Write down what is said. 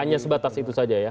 hanya sebatas itu saja ya